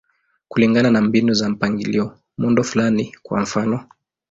Kulingana na mbinu za mpangilio, muundo fulani, kwa mfano.